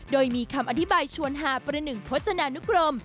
โดยมีคำอธิบายชวนหาประหนึ่งโฆษณานุกรม